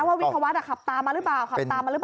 วิทยาวัฒน์ขับตามมาหรือเปล่าขับตามมาหรือเปล่า